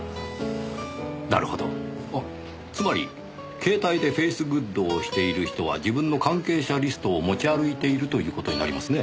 なるほどつまり携帯でフェイスグッドをしている人は自分の関係者リストを持ち歩いているという事になりますね。